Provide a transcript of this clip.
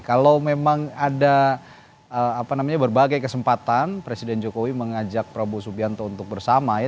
kalau memang ada berbagai kesempatan presiden jokowi mengajak prabowo subianto untuk bersama ya